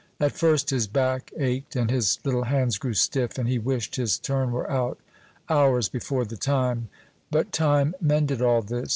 At first his back ached, and his little hands grew stiff, and he wished his turn were out, hours before the time; but time mended all this.